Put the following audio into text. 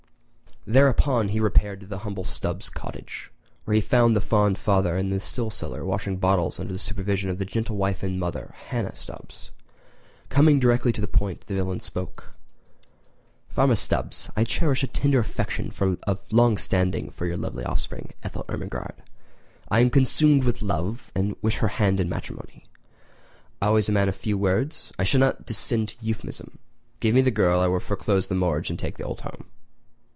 Thereupon he repaired to the humble Stubbs' cottage, where he found the fond father in the still cellar washing bottles under the supervision of the gentle wife and mother, Hannah Stubbs. Coming directly to the point, the villain spoke: "Farmer Stubbs, I cherish a tender affection of long standing for your lovely offspring, Ethyl Ermengarde. I am consumed with love, and wish her hand in matrimony. Always a man of few words, I will not descend to euphemism. Give me the girl or I will foreclose the mortgage and take the old home!"